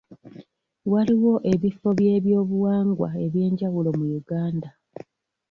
Waliwo ebifo by'ebyobuwangwa ebyenjawulo mu Uganda.